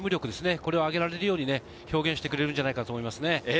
これを上げられるように表現してくれるんじゃないかと思いますね。